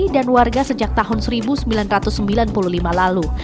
dan warga sejak tahun seribu sembilan ratus sembilan puluh lima lalu